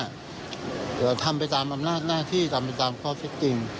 ทำไปตามอำนาจหน้าที่ทำไปตามข้อเท็จจริง